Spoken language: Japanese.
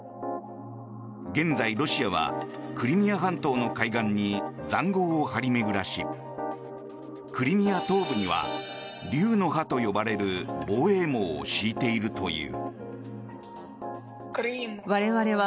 現在、ロシアはクリミア半島の海岸に塹壕を張り巡らしクリミア東部には竜の歯と呼ばれる防衛網を敷いているという。